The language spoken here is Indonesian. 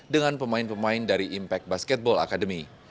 dengan pemain pemain dari impact basketball academy